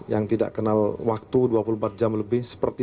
yang tidak kenal waktu dua puluh empat jam lebih